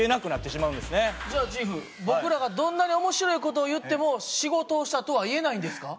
じゃあチーフ僕らがどんなに面白い事を言っても仕事をしたとは言えないんですか？